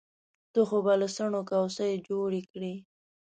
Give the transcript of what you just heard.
ته خو به له څڼو کوڅۍ جوړې کړې.